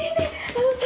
あのさ